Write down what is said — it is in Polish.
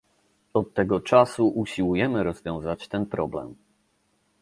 Od tego czasu usiłujemy rozwiązać ten problem